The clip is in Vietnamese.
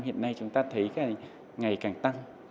hiện nay chúng ta thấy ngày càng tăng